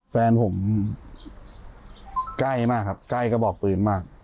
แฟนผมใกล้มากครับใกล้กระบอกปืนมาก